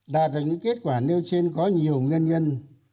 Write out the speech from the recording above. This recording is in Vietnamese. đạt được những kết quả nêu trên có nhiều nguyên nhân